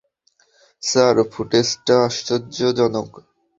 Sir, ফুটেজটা আশ্চর্যজনক।